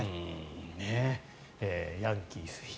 ヤンキース、東